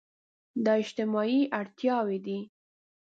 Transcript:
دا اجتماعي اړتياوې دي.